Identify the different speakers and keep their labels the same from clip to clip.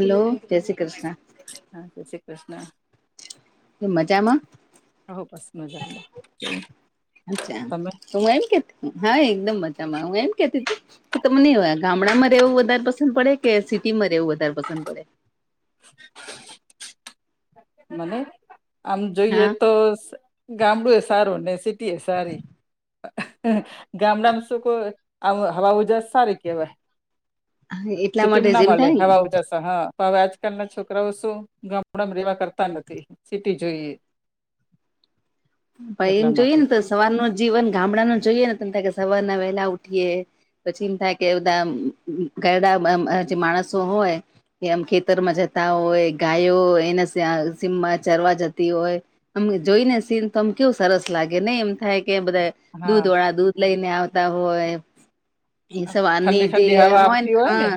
Speaker 1: Hello જય શ્રી કૃષ્ણ.
Speaker 2: હા જય શ્રી કૃષ્ણ.
Speaker 1: મજામાં.
Speaker 2: હો બસ મજામાં
Speaker 1: અચ્છા
Speaker 2: તમે
Speaker 1: તો મે એમ કે હા એકદમ મજામાં હું એમ કેતી કે તમને ગામડામાં રહેવું વધારે પસંદ પડે કે સિટીમાં રહેવું વધારે પસંદ પડે.
Speaker 2: મને આમ જોઈએ
Speaker 1: હા
Speaker 2: તો ગામડું એ સારું ને સિટી એ સારી. ગામડામાં શું કો હવા ઉજ સારી કેવાય.
Speaker 1: એટલા માટે
Speaker 2: સિટીમાં ના
Speaker 1: જેમ
Speaker 2: મલે
Speaker 1: થાય
Speaker 2: હવા ઉજાસ. હા હવે આજકાલ ના છોકરાઓ શું ગામડામાં રેવા કરતા તા નથી સિટી જોઈએ.
Speaker 1: ભાઈ એમ
Speaker 2: એટલા
Speaker 1: જોઈએ
Speaker 2: માટે
Speaker 1: ને તો સવારનો જીવન ગામડા ન જોઈએ ને ત કે સવાર ના વહેલા ઉઠીએ. પછી એમ થાય કે બધા ઘડા જે માણસો હોય કે આમ ખેતરમાં જતા હોય ગાયો એના સીમમાં ચરવા જતી હોય. અમ જોઈને સીન તોમ કેવું સરસ લાગે નહી એમ થાય કે બધા
Speaker 2: હા
Speaker 1: દૂધ વાળા દૂધ લઈને આવતા હોય એ સવારની
Speaker 2: ઠંડી
Speaker 1: જે
Speaker 2: ઠંડી હવા
Speaker 1: હોય ને
Speaker 2: આવતી
Speaker 1: હા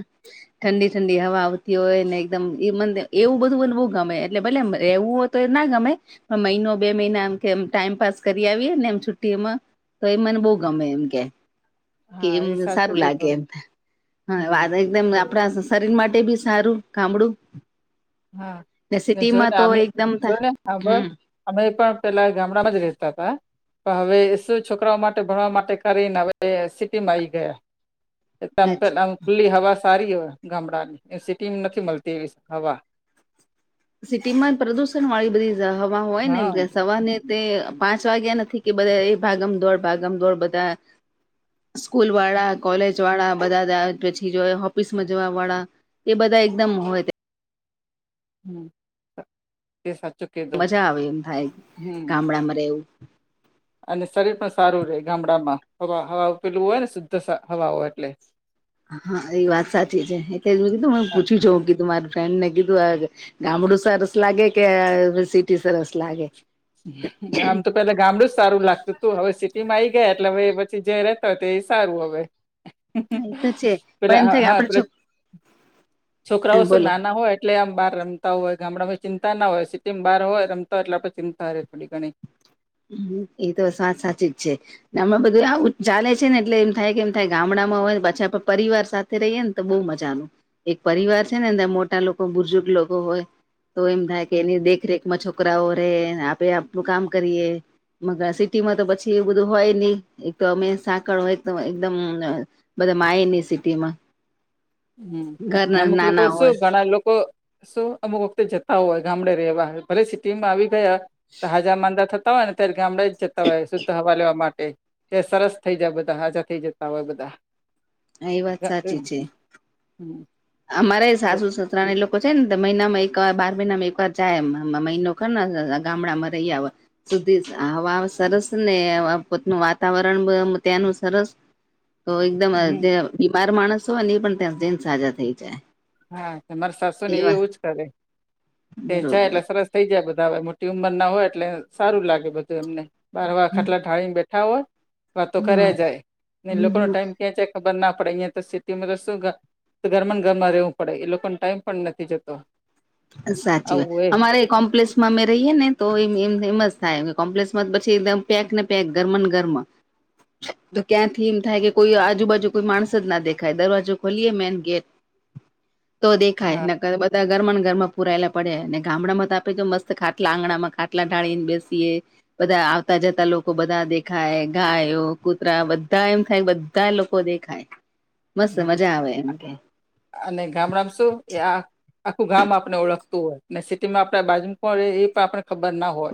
Speaker 1: ઠંડી ઠંડી હવા આવતી હોય ને એકદમ મ એવું બધું મને બવ ગમે એટલે ભલે રહેવું હો તો એ ના ગમે પણ મહિનો બે મહિનામ કે એમ ટાઈમ પાાસ કરી આવીએને એમ છુટ્ટીમાં તો એ મને બહુ ગમે એમ કે. કે
Speaker 2: હા
Speaker 1: એમ
Speaker 2: એ સાચું
Speaker 1: સારું લાગે
Speaker 2: કીધું
Speaker 1: એમ હ વા
Speaker 2: હમ
Speaker 1: એકદમ આપડા શરીર માટે બી સારું ગામડું
Speaker 2: હા ને જોય
Speaker 1: સિટીમાં
Speaker 2: ને
Speaker 1: તો
Speaker 2: અમે
Speaker 1: એકદમ થ
Speaker 2: જોય ને સાંભળ
Speaker 1: હમ.
Speaker 2: અમે પણ પેલા ગામડામાં જ રેતા હતા. પણ હવે શું, છોકરાઓ માટે ભણવા માટે, કરીને હવે સિટીમાં આઈ ગયા. [unintelligible] ખુલ્લી હવા સારી હો ગામડાની સિટીમ નથી મલતી એવી હવા.
Speaker 1: સિટીમાં પ્રદુષણ વાળી બધી હવા હોય ને
Speaker 2: હા
Speaker 1: એમ સવારને તે પાંચ વાગ્યા નથી કે બધા એ ભાગમ દોડ ભાગમ દોડ બધા સ્કૂલ વાળા કોલેજ વાળા બધા પછી જો ઓફિસમાં જવા વાળા. એ બધા એકદમ હોય
Speaker 2: હમ તે સાચ
Speaker 1: મજા આવે એમ થાય ગામડામાં રહેવું.
Speaker 2: અને શરીર પણ સારું રે ગામડામાં હવા હવા પેલું હોય ને શુદ્ધ હવાઓ એટલે.
Speaker 1: હા એ વાત સાચી છે એટલે જ કીધું
Speaker 2: હા.
Speaker 1: પૂછી જોઉં કેધું મારી ફ્રેન્ડ ને કીધું આ ગામડું સરસ લાગે કે અ સિટી સરસ લાગે.
Speaker 2: આમ તો પેલા ગામડું જ સારું લાગતું તું હવે સિટીમાં આઈ ગયા એટલે હવે પછી જ્યાં રહતા હોય તે એ સારું હવે.
Speaker 1: [inaudible] તો છે પણ એમ
Speaker 2: પેલા
Speaker 1: થાય કે
Speaker 2: હા
Speaker 1: આપડે
Speaker 2: પે
Speaker 1: જો
Speaker 2: છોકરાઓ શું
Speaker 1: બોલો
Speaker 2: નાના હોય એટલે આમ બાર રમતા હોય ગામડામાં એ ચિંતા ના હોય, સિટીમાં બહાર હોય રમતા હોય એટલે આપણે ચિંતા રહે થોડી ઘણી.
Speaker 1: હમ્મ એ તો સાત સાચી જ છે. હમણાં બધું આવું ચાલે છે ને એટલે એમ થાય કેમ થાય ગામડામાં હોય પાછા પરિવાર સાથ રહીએ ને તો બહુ મજાનું એક પરિવાર છે ને અંદર મોટા લોકો બુજુર્ગ લોકો હોય તો એમ થાય કે એની દેખરેખ માં છોકરાઓ રેને આપે આપડુ કામ કરીએ મગ સિટીમાં તો પછી એવું બધું હોય ની એક તો અમે સાંકળ હોય એકદમ બધા માયની સિટીમાં.
Speaker 2: હમ્મ
Speaker 1: ઘરના
Speaker 2: અમુક લોકો
Speaker 1: નાના
Speaker 2: શું
Speaker 1: હોય
Speaker 2: ઘણા લોકો શું અમુક વખતે જતા હોય ગામડે રેવા. ભલે સિટીમાં આવી ગયા હાજા માંદા થ તા હોય ને ત્યારે ગામડા જે જતા હોય શુદ્ધ હવા લેવા માટે. તે સરસ થઇ જાય બધા, હાજા થઈ જતા હોય બધા.
Speaker 1: હા એ વાત સાચી છે.
Speaker 2: હમ્મ
Speaker 1: અમારે સાસુ સસુરા એ લોકો છે ને, તો મહિનામાં એક બાર મહિનામાં એકવાર જાય મહિનો [unintelligible] ગામડામાં રહી આવ સુધી હવા સરસ ને પોતનું વાતાવરણ અમ અમ ત્યાંનું સરસ. તો એકદમ
Speaker 2: હમ
Speaker 1: બીમાર માણસ હોય ને એ પણ ત્યાં જેન સાજા થઈ જાય.
Speaker 2: હા, માર સાસુ ને
Speaker 1: એવા
Speaker 2: એવું જ કરે તે જાય
Speaker 1: બરોબર
Speaker 2: એટલે સરસ થઈ જાય બધા હવે મોટી ઉંમર ના હોય એટલે સારું લાગે બધું એમને. બાર વાર ખાટલા ઢાળી ને બેઠા હોય વાતો કર્યા જાય એલોકો ન
Speaker 1: હા
Speaker 2: ટાઈમ ક્યાં [unintelligible] ખબર ના પડી અહિયાતો સિટીમાં રસો ઘરમન ગરમા રેવું પડે એ લોકોને ટાઈમ પણ નથી જતો.
Speaker 1: સાચી વાત
Speaker 2: આવું એ
Speaker 1: અમારે કોમપ્લેસ અમે રહીએે ને તો એ એમ થાય કોમ્પ્લેસ પછીમ પેક ને પેક ઘરમન ઘરમાં તો ક્યાંથી એમ થાય કે કોઈ આજુબાજુ કોઈ માણસ જ ના દેખાય દરવાજો ખોલીયે મેન ગેટ તો દેખાય
Speaker 2: હા
Speaker 1: નકર બધા ગરમન ઘરમાં પુરાયેલા પડે ને ગામડામાં તો આપે તો મસ્ત ખાટલા આંગણામાં ખાટલા ઢાળીને બેસીએ. બધા આવતા જતા લોકો બધા દેખાય ગાયો, કૂતરા બધા એમ થાય બધ ધાય લોકો દેખાય, મસ્ત
Speaker 2: હમ.
Speaker 1: મજા આવે એમ કે.
Speaker 2: અને ગામડામાં શું કે આ આખું ગામ આપણે ઓળખતું હોય ને સિટીમાં આપણે બાજુમાં કોણ રે એ પણ આપડે ખબર ના હોય.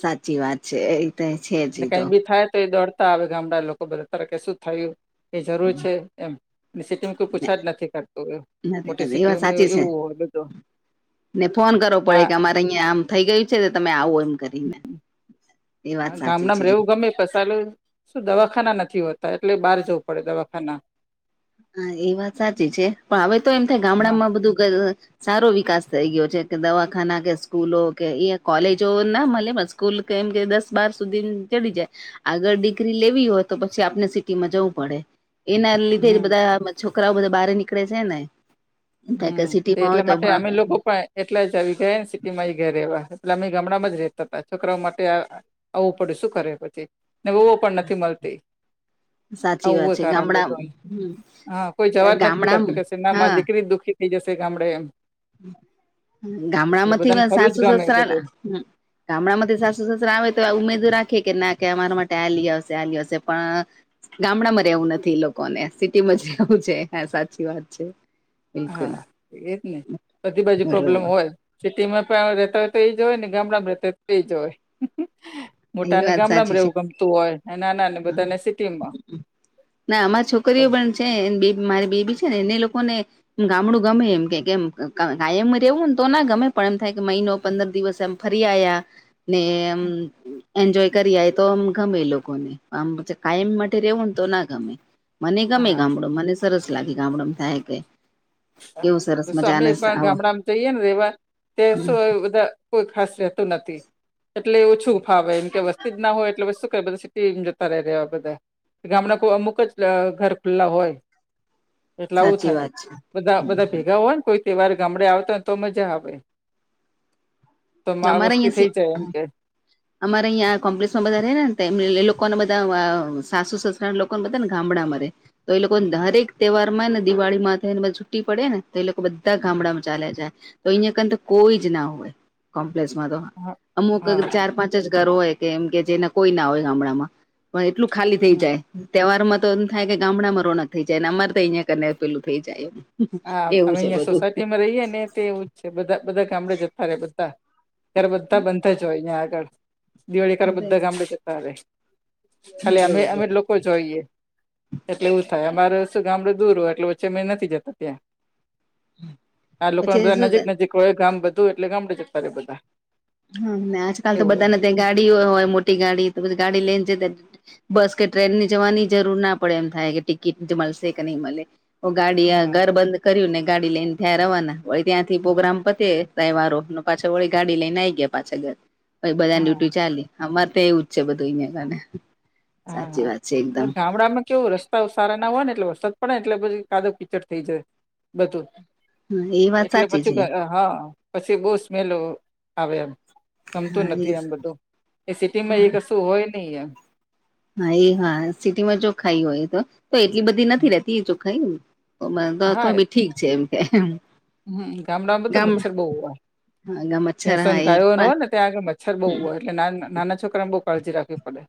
Speaker 1: સાચી વાત છે એ રીતે છે જ એ
Speaker 2: અને
Speaker 1: તો.
Speaker 2: કઈ બી થાય તો એ દોડ હ ગામડા લોકો ભલે તર કે શું થયું એ જરૂર એમ સિટીમાં કોઈ પૂછા જ નથી કરતું એ
Speaker 1: નથી
Speaker 2: મોટી
Speaker 1: કા એ વાત
Speaker 2: સિટીઓમાં
Speaker 1: સાચી
Speaker 2: એવું
Speaker 1: છે
Speaker 2: એવું હોય બધું
Speaker 1: ને ફોન કરવો પડે
Speaker 2: હા
Speaker 1: કે આમ અહિયા આમ થઈ ગયું છે તમે આવો એમ કરીને એ વાત
Speaker 2: હા
Speaker 1: સાચી
Speaker 2: ગામડામાં
Speaker 1: છે
Speaker 2: રહેવું ગમે પસાલું દવાખાના નથી હોતા એટલે બહાર જવું પડે દવાખાના
Speaker 1: હા એ વાત સાચી છે પણ હવે તો એમ થાય
Speaker 2: હા
Speaker 1: ગામડામાં બધું ગઅ સારો વિકાસ થઈ ગયો છે કે દવાખાના કે સ્કૂલો કે એ કોલેજો ના મલે સ્કૂલ કેમ કે દસ બાર સુધી ચડી જાય. આગળ ડિગ્રી લેવી હોય તો, પછી આપને સિટીમાં જવું પડે. એના લીધે
Speaker 2: હમ
Speaker 1: બધા છોકરાઓ બધા બહાર નીકળે છે ને. એમ થાય કે
Speaker 2: હમ!
Speaker 1: સિટીમાં હોય
Speaker 2: એટલા
Speaker 1: તો
Speaker 2: માટે અમે
Speaker 1: ભણતા
Speaker 2: લોકો પણ. એટલે જ આવી ગયા ને સિટીમાં એ ઘરવા એટલે અમે ગામડામાં જ રેતા હતા છોકરાઓ માટે. આવવું પડે શું કરે પછી, ને વ પણ નથી મળતી.
Speaker 1: સાચી
Speaker 2: આવું
Speaker 1: વાત
Speaker 2: એ
Speaker 1: છે
Speaker 2: કારણ
Speaker 1: ગામડા
Speaker 2: બધું. હા કોઈ જવાજ નથી
Speaker 1: ગામડા
Speaker 2: કરતું કે સિના
Speaker 1: હા
Speaker 2: માંધ. દુખી થઈ જશે કે આપણે એમ.
Speaker 1: ગામડા
Speaker 2: એટલે
Speaker 1: માંથી
Speaker 2: બધાને ફરવું જ
Speaker 1: સાસુ
Speaker 2: ગમે
Speaker 1: સસરાલા.
Speaker 2: બધું
Speaker 1: ગામડામાંથી સાસુ સસરા આવે તો ઉમેદર રાખીએ કે ના કે અમારા માટે આલી આવશે આલીઆવશે પણ ગામડામાં રહેવું નથી લોકો ને સિટી માં જ રહેવું છે હા સાચી વાત છે. બિલકુલ
Speaker 2: હા એજ ને બધી બાજુ પ્રોબ્લેમ
Speaker 1: બરોબર
Speaker 2: હોય સિટી માં પણ રેતા હોય તો એ જ હોય ને ગામડામાં રેતા હોય તો જ હોય
Speaker 1: એ
Speaker 2: મોટાને
Speaker 1: વાત
Speaker 2: ગામડામાં
Speaker 1: સાચી
Speaker 2: રહે
Speaker 1: છે
Speaker 2: એવું ગમતું હોય નાના ને
Speaker 1: હા
Speaker 2: બધાને સિટી માં
Speaker 1: ના અમાર છોકરીઓ પણ છે બે મારી બેબી છે ને એને લોકો ને ગામડું ગમે એમ કે કેમ કાયમ રેવુંને તો ના ગમે પણ એમ થાય કે મહિનો પંદર દિવસ એમ ફરી આયા નેમ એન્જોય કરીયા તો આમ ગમે લોકોને આમ પ કમ માટે રહેવું ને તો ના ગમે મને ગમે
Speaker 2: હા
Speaker 1: ગામડો મને સરસ લાગે ગામડો આયા કે કેવું સરસ
Speaker 2: તો અમે
Speaker 1: મજાને
Speaker 2: પણ
Speaker 1: આવા
Speaker 2: ગામડામાં જઈએ ને રેવા ત શું બધા કોઈ ખાસ રહેતું નથી એટલે ઓછું ફાવે એમ કે વસ્તી જ ના હોય એટલે જતા ર્યા બધા ગામડા કો અમુક જ ઘર ખુલ્લા હોય
Speaker 1: સાચી વાત છે
Speaker 2: બધ બધા ભેગા હોય ને કોઈ તહેવાર ગામડે આવતા હો ને તો મજા આવે તો
Speaker 1: છે
Speaker 2: મા
Speaker 1: અમારે
Speaker 2: વસ્તી
Speaker 1: અહિયાં
Speaker 2: થઈ જાય એમ કે
Speaker 1: [inaudible] અમારે અહીંયા કોમ્પ્લેક્ષમાં બધા રે ને એ લોકોને બધા સાસુ સસુરા લોકોને બધા ને ગામડામાં રે તો એ લોકોને દરેક તહેવાર માં ને દિવાળી માં થનેધ છુટી પડે ને તો એ લોકો બધા ગામડામાં ચાલે જાય તો અહીયા ક તો કોઈ જ ના હોય કોમ્પ્લેસમાં તો
Speaker 2: હા
Speaker 1: અમુક
Speaker 2: હા
Speaker 1: ચાર પાંચ જ ઘર હોય કેમ કે જેના કોઈ ના હોય ગામડામાં પણ એટલું ખાલી થઈ
Speaker 2: હમ.
Speaker 1: જાય તહેવાર માં તો એમ થાય કે ગામડામાં રોનક થઈ જાય ને અમારે તો અહિયાં કર પેલું થઈ જાય એમ
Speaker 2: હા અમે અહંયા સોસાયટીમાં રહીએ ને એવું જ છે બધા બધા ગામડે જતા રે બધા ત્યારે બધા બંધ જ હોય અહયા આગળ દિવાળી કરવા બધા ગામડે જતા હ ખાલી અમે અમે
Speaker 1: બરોબર
Speaker 2: લોકો જોઈએ એટલે એવું થાય અમારે શું ગામડું દૂર હો એટલે પછે મે નથી જતા ત્યાં આ લોકો
Speaker 1: પછી
Speaker 2: બધા
Speaker 1: શું
Speaker 2: નજીક નજીક હોય ગામ બધું એટલે ગામડે જતા રે બધા
Speaker 1: હા આજકાલ તો
Speaker 2: એવું હોય
Speaker 1: બધાને ત્યાં ગાડીઓ હોય મોટી ગાડી તો પછી ગાડી લઈને જતા બસ કે ટ્રેનની જવાની જરૂર ના પડે એમ થાય કે ટિકિટ મળશે કે નહીં મળે ગાડી
Speaker 2: હા
Speaker 1: ઘર બંધ કર્યું ને ગાડી લઈને થયાં રવાના ત્યાંથી પ્રોગ્રામ પતે ત્ર વારો પાછા ઓળી ગાડી લઈને આવી ગયા પાછા ઘર બધાને
Speaker 2: હા
Speaker 1: ડ્યુટી ચાલી અમારે તો એવું જ છે બધું અંહી કને
Speaker 2: હા હા ગામડામાં કેવું રસ્તા રસ્તા સારા ના હોય ને એટલે વરસાદ પડે એટલે પછી કાદવ કીચડ થઈ જાય બધું
Speaker 1: હા એ વાત
Speaker 2: એટલે
Speaker 1: સાચી છે
Speaker 2: પછી હા પછી બહ સ્મેલો આવે એમ ગમતું
Speaker 1: હા એ
Speaker 2: નથી આમ બધું એ સિટીમાં એ કશું હોય નહ એમ
Speaker 1: હા એ હા સિટીમાં જો ખાઈ હોય તો તો એટલી બધી નથી રતી જો ખાઈ એ તો ભી ઠીક છે એમ કે
Speaker 2: હમ ગામડામાં તો
Speaker 1: ગામ
Speaker 2: મચ્છર બઉ હોય
Speaker 1: હા ગા મચ્છર
Speaker 2: ભેસો
Speaker 1: હા એ
Speaker 2: ગાયો
Speaker 1: પણ
Speaker 2: હોય ત્યાં આગે મચ્છર બહુ હોય એટલે નાના છોકરાને બહુ કાળજી રાખવી પડે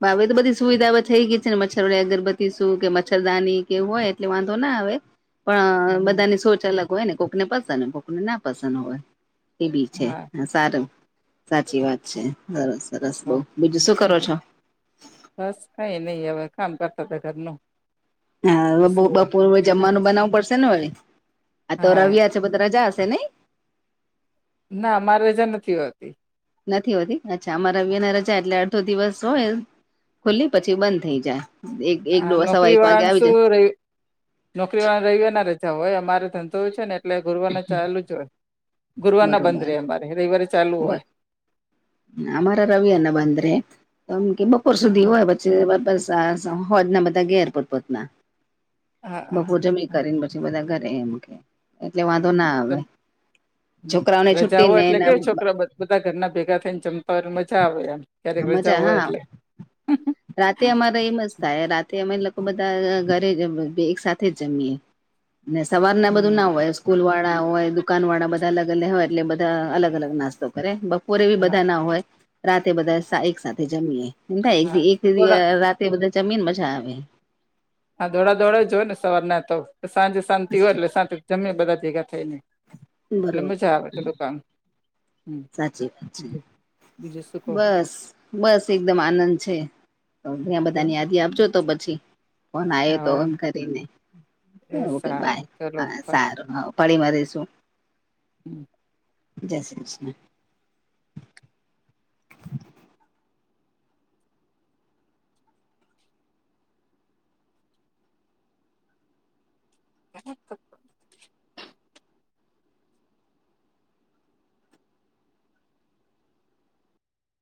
Speaker 1: હા હવે તો બધી સુવિધાઓ થઈ ગઈ છેને મચ્છર ની અગરબત્તી શું કે મચ્રદાની કે હોય એટલે વાંધો ના આવે પણ
Speaker 2: હમ,
Speaker 1: બધાની સોચ અલગ હોય ને કોક ને પસંદ હોય કોકને ના પસંદ હોય. એ બી છે
Speaker 2: હા
Speaker 1: હ સારું સાચી વાત છે સરસ સરસ બઉ
Speaker 2: હા.
Speaker 1: બીજું શું કરો છો
Speaker 2: બસ કઈ નહી હવે કામ કરતા હતા ઘરનું.
Speaker 1: હા
Speaker 2: બીજું
Speaker 1: બપો
Speaker 2: શું હોય
Speaker 1: બપોરે જમવાનું બનાવું પડશે ને વ આ તો
Speaker 2: હા
Speaker 1: રવ્યા છે રજા હશે નહી
Speaker 2: ના અમાર રજા નથી હોતી.
Speaker 1: નથી હોતી અચ્છા અમા રવ્ય ના રજા એટલે અડધો દિવસ હોય ખુલ્લી પછી બંધ થઈ જાય. એક એક
Speaker 2: હા
Speaker 1: દોઢ સવા
Speaker 2: નોકરી
Speaker 1: એક
Speaker 2: વાળા
Speaker 1: વાગે
Speaker 2: ને
Speaker 1: આવી
Speaker 2: શું
Speaker 1: જાય
Speaker 2: રેય નોકરી વાળા રયવારના રજા હો હોય અમારો ધંધો હોય છે ને એટલે ગુરવાર ના ચાલુ જ હોય ગુરવાર ના બંધ
Speaker 1: બરોબર
Speaker 2: રહેે અમારે રવિવારે ચાલુ
Speaker 1: બ
Speaker 2: હોય.
Speaker 1: અમારા રવિયા ના બંધ રે તોમ કે બપોર સુધી હોય [unintelligible] ના બધા ઘેર પોત પોતના
Speaker 2: હા હા
Speaker 1: કરીને પછી બધા ઘરે એમ કે એટલે વાંધો
Speaker 2: હમ
Speaker 1: ના આવે
Speaker 2: તમ
Speaker 1: છોકરાઓને
Speaker 2: રજા
Speaker 1: છુટી
Speaker 2: હોય
Speaker 1: ને એ
Speaker 2: એટલે કેવું છોકરા બ બધા ઘરના ભેગા થઈ ને જમતા હોય ને મજા આવે એમ ક્યારેક રજા
Speaker 1: મજા
Speaker 2: હોય
Speaker 1: હા
Speaker 2: એટલે
Speaker 1: [inaudible] રાતે અમારે એમ જ થાય રાતે અમે લોકો બધા ઘરે જ એક સાથે જ જમીએ. અને સવાર ના બધું ના
Speaker 2: હમ
Speaker 1: હોય સ્કૂલ વાળા હોય દુકાન વાળા બધા અલગ અલગ હોય એટલે બધા અલગ અલગ નાસ્તો કરે બપોરે બી
Speaker 2: હા
Speaker 1: બધા ના હોય રાતે બધા એક સાથે જમીએ
Speaker 2: હા દોડા
Speaker 1: [unintelligible] તે બધા જમીન મજા આવે.
Speaker 2: હા દોડા દોડા જ હોય ને સવારના તો સાંજે શાંતિ હોય એટલે સાથે જમે બધા ભેગા થઈ ને એટલે
Speaker 1: બરોબર
Speaker 2: મજા આવે તો દુકાન
Speaker 1: સાચી વાત છે
Speaker 2: બીજું શું કહો
Speaker 1: બસ બસ એકદમ આનંદ છે તો ઘ્યા બધાની યાદી આપ જો તો પછી ફોન
Speaker 2: હ
Speaker 1: આયો તો ઓન કરીને
Speaker 2: એ
Speaker 1: ઓકે બાય
Speaker 2: સારું ચલો
Speaker 1: હા સારું હ ફરી મરીશું
Speaker 2: [inaudible]
Speaker 1: જય શ્રી કૃષ્ણ
Speaker 2: [inaudible]